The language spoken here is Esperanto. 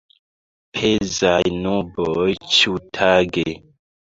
Pezaj nuboj ĉiutage.